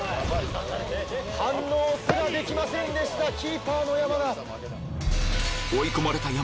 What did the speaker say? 反応すらできませんキーパーの山田。